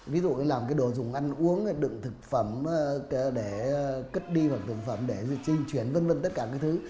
ví dụ như làm cái đồ dùng ăn uống đựng thực phẩm để cất đi hoặc thực phẩm để di chuyển vân vân tất cả cái thứ